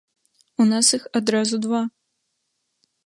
У нас іх адразу два.